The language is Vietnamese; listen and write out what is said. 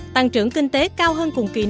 tăng trưởng kinh tế cao hơn cùng kỳ năm